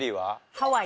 ハワイ。